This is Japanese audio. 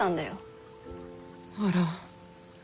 あら。